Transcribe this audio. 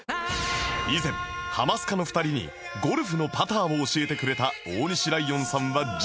以前ハマスカの２人にゴルフのパターを教えてくれた大西ライオンさんは実は